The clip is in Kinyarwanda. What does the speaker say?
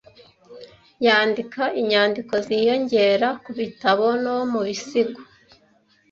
Yandika inyandiko ziyongera ku bitabo no mu bisigo.